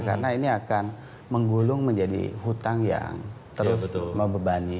karena ini akan menggulung menjadi hutang yang terus membebani